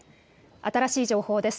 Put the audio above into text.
新しい情報です。